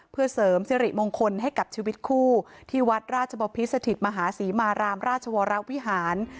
เพื่อเสริมสิริมงคลให้กับชีวิตคู่ที่วัดราชบพิสถิตมหาศรีมารามราชวรวิหาร